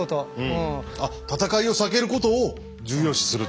戦いを避けることを重要視すると。